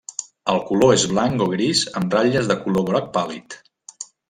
El color és blanc o gris amb ratlles de color groc pàl·lid.